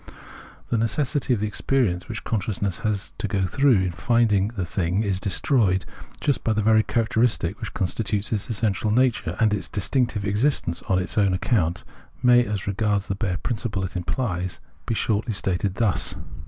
The necessity of the experience which consciousness has to go through in finding that the thing is destroyed Perception 119 just by the very characteristic which constitutes its essential nature and its distinctive existence on its own account, may, as regards the bare principle it imphes, be shortly stated thus.